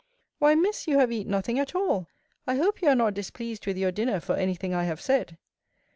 Why, Miss, you have eat nothing at all I hope you are not displeased with your dinner for any thing I have said.